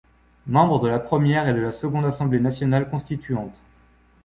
Membre de la première et de la seconde Assemblée nationale constituante.